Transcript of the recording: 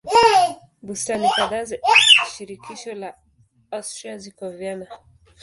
Bustani kadhaa za shirikisho la Austria ziko Vienna.